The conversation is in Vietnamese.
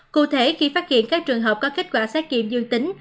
cụ thể khi phát hiện các trường hợp có kết quả xét nghiệm dương tính